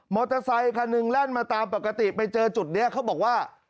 อเตอร์ไซคันหนึ่งแล่นมาตามปกติไปเจอจุดนี้เขาบอกว่า